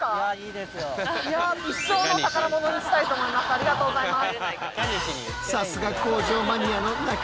ありがとうございます。